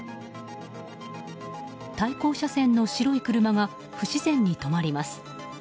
対向車線の白い車が不自然に止まります。